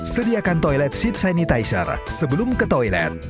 sediakan toilet seat sanitizer sebelum ke toilet